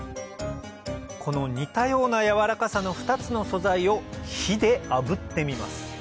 この似たようなやわらかさの２つの素材を火で炙ってみます